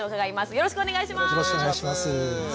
よろしくお願いします。